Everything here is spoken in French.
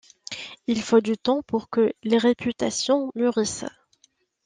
Il faut du temps pour que les réputations mûrissent.